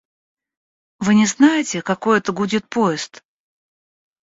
– Вы не знаете, какой это гудит поезд?